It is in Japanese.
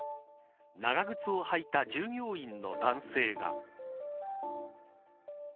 長靴を履いた従業員の男性が。